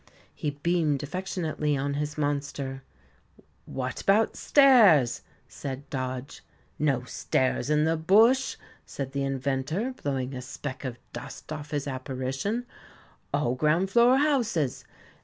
He beamed affectionately on his monster. "What about stairs?" said Dodge. "No stairs in the bush," said the Inventor, blowing a speck of dust off his apparition; "all ground floor houses.